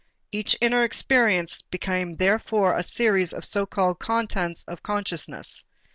Each inner experience became therefore a series of so called contents of consciousness.